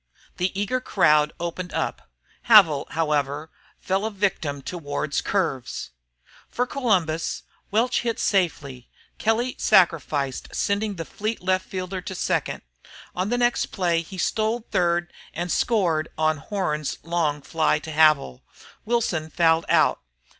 The eager crowd opened up. Havil, however, fell a victim to Ward's curves. For Columbus Welch hit safely, Kelly sacrificed, sending the fleet left fielder to second. On the next play he stole third and scored on Horn's long fly to Havil. Wilson fouled out.